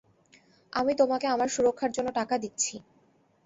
আমি তোমাকে আমার সুরক্ষার জন্য টাকা দিচ্ছি!